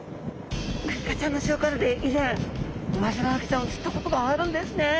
イカちゃんの塩辛でいぜんウマヅラハギちゃんをつったことがあるんですね。